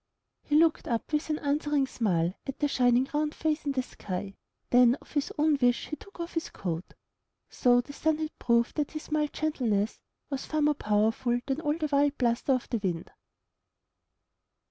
He looked up with an answering smile, at the shining round face in the sky; then of his own wish he took off his coat. So the Sun had proved that his mild gentleness was far more power ful than all the wild bluster of the Wind.